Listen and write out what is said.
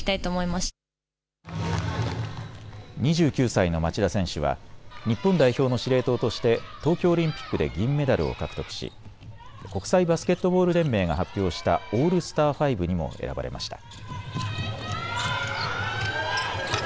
２９歳の町田選手は日本代表の司令塔として東京オリンピックで銀メダルを獲得し国際バスケットボール連盟が発表したオールスターファイブにも選ばれました。